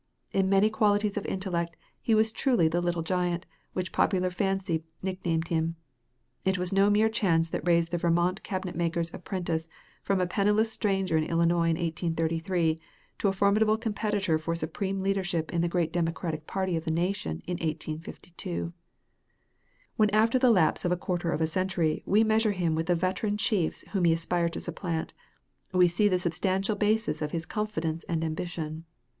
In many qualities of intellect he was truly the "Little Giant" which popular fancy nicknamed him. It was no mere chance that raised the Vermont cabinet maker's apprentice from a penniless stranger in Illinois in 1833 to a formidable competitor for supreme leadership in the great Democratic party of the nation in 1852. When after the lapse of a quarter of a century we measure him with the veteran chiefs whom he aspired to supplant, we see the substantial basis of his confidence and ambition.